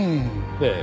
ええ。